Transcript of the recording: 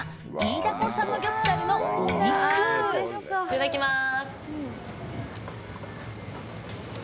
いただきます。